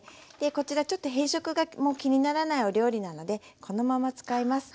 こちらちょっと変色がもう気にならないお料理なのでこのまま使います。